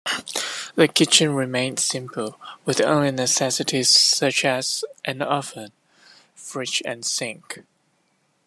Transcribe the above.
The kitchen remained simple, with only necessities such as an oven, fridge, and sink.